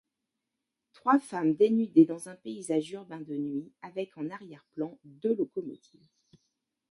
Trois femmes dénudées dans un paysage urbain de nuit, avec en arrière-plan, deux locomotives.